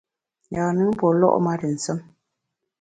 Yâ-nùn pue lo’ ma ntù nsùm.